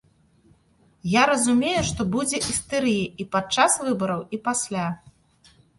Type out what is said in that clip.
Я разумею, што будзе істэрыя і падчас выбараў, і пасля.